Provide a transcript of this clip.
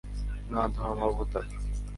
না, ধর্মাবতার।